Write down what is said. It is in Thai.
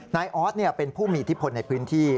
นายออสเป็นผู้มีอิทธิพลในพื้นที่